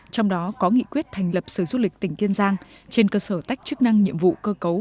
trong đó có nghị quyết thành lập sở du lịch tỉnh kiên giang trên cơ sở tách chức năng nhiệm vụ cơ cấu